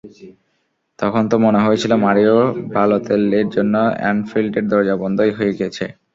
তখন তো মনে হয়েছিল মারিও বালোতেল্লির জন্য অ্যানফিল্ডের দরজা বন্ধই হয়ে গেছে।